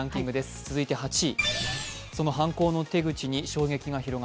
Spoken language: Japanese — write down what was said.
続いて８位。